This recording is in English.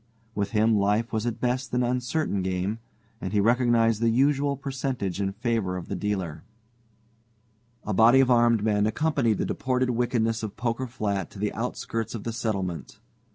With him life was at best an uncertain game, and he recognized the usual percentage in favor of the dealer. A body of armed men accompanied the deported wickedness of Poker Flat to the outskirts of the settlement.